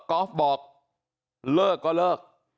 อล์ฟบอกเลิกก็เลิก